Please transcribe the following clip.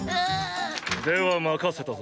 では任せたぞ。